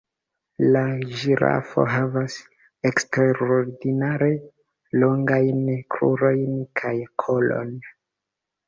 La ĝirafo havas eksterordinare longajn krurojn kaj kolon.